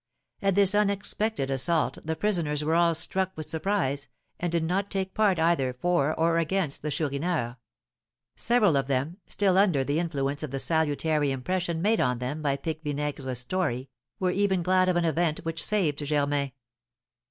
At this unexpected assault the prisoners were all struck with surprise, and did not take part either for or against the Chourineur. Several of them, still under the influence of the salutary impression made on them by Pique Vinaigre's story, were even glad of an event which saved Germain.